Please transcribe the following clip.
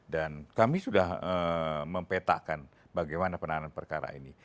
dan kami sudah mempetakan bagaimana penanganan perkara ini